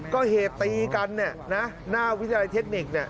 ก็เหตุตีกันหน้าวิทยาลัยเทคนิค